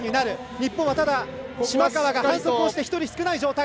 日本、島川が反則して１人少ない状況。